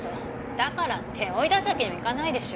だからって追い出すわけにもいかないでしょ。